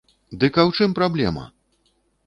Дык а ў чым праблема!